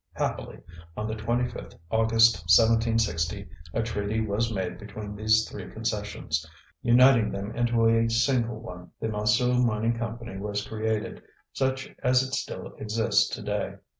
Happily, on the 25th August 1760, a treaty was made between the three concessions, uniting them into a single one. The Montsou Mining Company was created, such as it still exists to day.